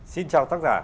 xin chào tác giả